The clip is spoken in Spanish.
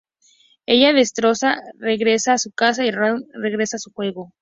Ella, destrozada, regresa a su casa y Ralph regresa a su juego.